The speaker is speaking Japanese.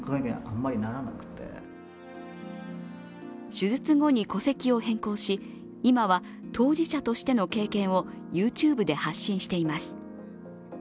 手術後に戸籍を変更し今は当事者としての経験をＹｏｕＴｕｂｅで発信しています。